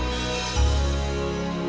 waduh selamat malam